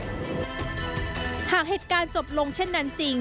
หากเหตุการณ์จบลงเช่นนั้นจริง